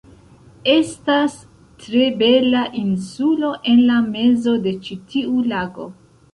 Estas tre bela insulo, en la mezo de ĉi tiu lago